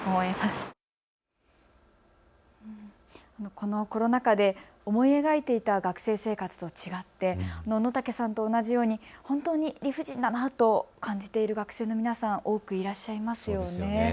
このコロナ禍で思い描いていた学生生活と違って野武さんと同じように本当に理不尽だなと感じている学生の皆さん、多くいらっしゃいますよね。